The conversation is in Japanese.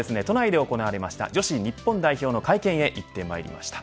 今日は、都内で行われました女子日本代表の会見へ行ってまいりました。